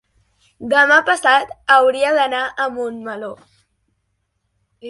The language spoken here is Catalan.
demà passat hauria d'anar a Montmeló.